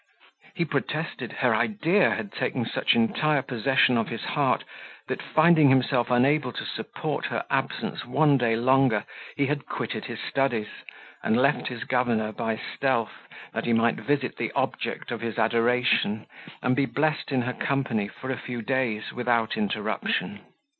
He protested her idea had taken such entire possession of his heart, that finding himself unable to support her absence one day longer, he had quitted his studies, and left his governor by stealth, that he might visit the object of his adoration, and be blessed in her company for a few days without interruption.